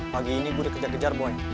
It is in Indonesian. pagi ini gua dikejar kejar boy